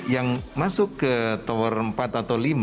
yang masuk ke tower empat atau lima